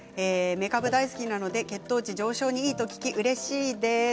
めかぶ大好きなので血糖値上昇にいいと聞きうれしいです。